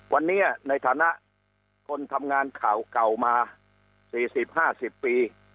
วันเนี้ยในฐานะคนทำงานข่าวเก่ามาสี่สิบห้าสิบปี